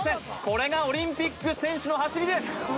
これがオリンピック選手の走りです